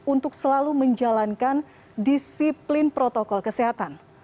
untuk selalu menjalankan disiplin protokol kesehatan